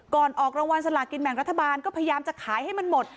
ออกรางวัลสลากินแบ่งรัฐบาลก็พยายามจะขายให้มันหมด